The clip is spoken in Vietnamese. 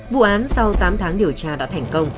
vụ án sau tám tháng điều tra đã thành công